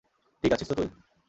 ঠিক আছিস তো তুই?